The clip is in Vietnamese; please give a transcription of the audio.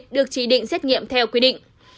được chỉ định xét nghiệm theo quy định